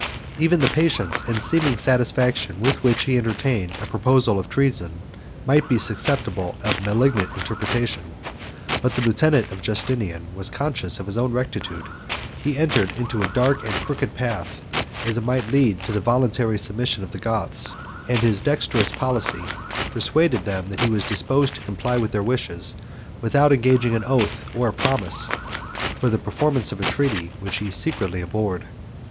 Even the patience and seeming satisfaction with which he entertained a proposal of treason, might be susceptible of a malignant interpretation. But the lieutenant of Justinian was conscious of his own rectitude; he entered into a dark and crooked path, as it might lead to the voluntary submission of the Goths; and his dexterous policy persuaded them that he was disposed to comply with their wishes, without engaging an oath or a promise for the performance of a treaty which he secretly abhorred.